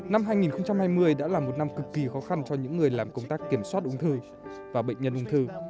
năm hai nghìn hai mươi đã là một năm cực kỳ khó khăn cho những người làm công tác kiểm soát ung thư và bệnh nhân ung thư